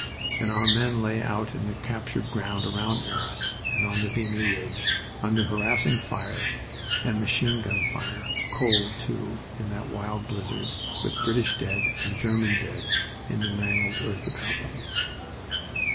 And our men lay out in the captured ground beyond Arras and on the Vimy Ridge, under harassing fire and machine gun fire, cold, too, in that wild blizzard, with British dead and German dead in the mangled earth about them.